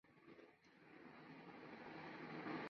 Informática, Economía y Administración.